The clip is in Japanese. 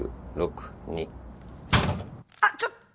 あっ！